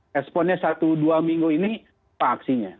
responnya satu dua minggu ini apa aksinya